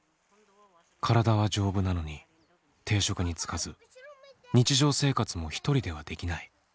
体は丈夫なのに定職に就かず日常生活も１人ではできない。